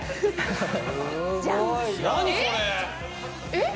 えっ？